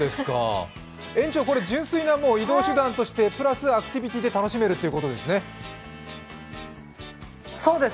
園長、純粋な移動手段として、プラスアクティビティで楽しめるということですね。